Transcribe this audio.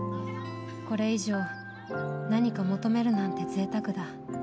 これ以上何か求めるなんて贅沢だ。